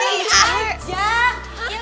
halo berdua juga